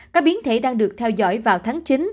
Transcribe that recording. các biến thể đang được theo dõi vào tháng chín